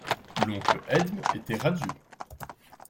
L'oncle Edme était radieux.